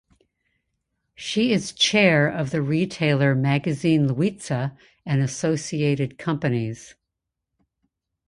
She is chair of the retailer Magazine Luiza and associated companies.